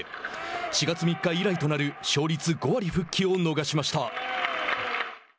４月３日以来となる勝率５割復帰を逃しました。